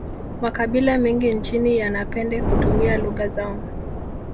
makabila mengi nchini yanapende kutumia lugha zao